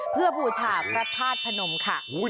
เพื่อบูชาพระธาตุพนมค่ะ